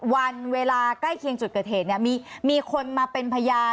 วันเวลาใกล้เคียงจุดเกิดเหตุเนี่ยมีคนมาเป็นพยาน